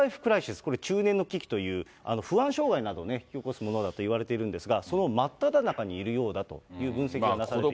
これ、中年の危機という、不安障害などを引き起こすものだと言われているんですが、その真っただ中にいるようだという分析がなされています。